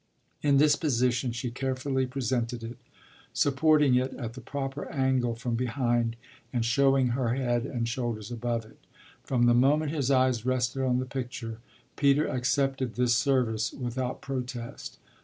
In this position she carefully presented it, supporting it at the proper angle from behind and showing her head and shoulders above it. From the moment his eyes rested on the picture Peter accepted this service without protest.